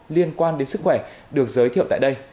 liên quan đến sức khỏe được giới thiệu tại đây